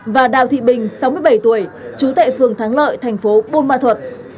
và đào thị bình sáu mươi bảy tuổi chú tệ phường thắng lợi tp bunma thuộc